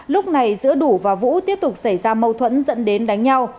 lúc này giữa đủ và vũ tiếp tục xảy ra mâu thuẫn dẫn đến đánh nhau